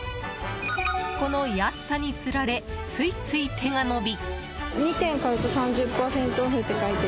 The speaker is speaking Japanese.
この安さにつられついつい手が伸び。